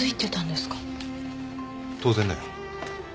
当然だよ。